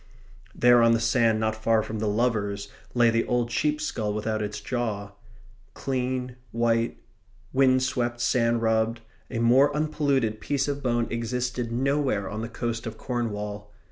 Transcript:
There on the sand not far from the lovers lay the old sheep's skull without its jaw. Clean, white, wind swept, sand rubbed, a more unpolluted piece of bone existed nowhere on the coast of Cornwall.